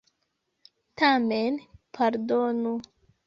Tamen, pardonu.